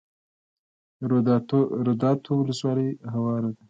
روداتو ولسوالۍ هواره ده؟